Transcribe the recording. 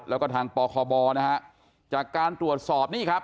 แล้วก็ทางปคบนะฮะจากการตรวจสอบนี่ครับ